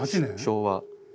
昭和。